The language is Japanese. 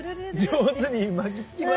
上手に巻きつきますね。